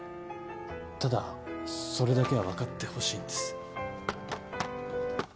ただそれだけは分かってほしいんです。